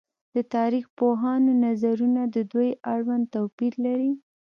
د تاريخ پوهانو نظرونه د دوی اړوند توپير لري